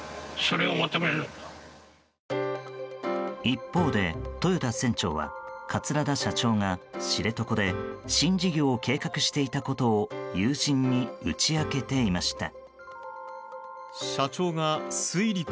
一方で、豊田船長は桂田社長が、知床で新事業を計画していたことを友人に打ち明けていました。